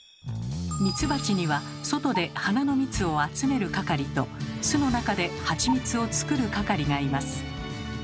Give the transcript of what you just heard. ミツバチには外で花の蜜を集める係と巣の中でハチミツを作る係がいます。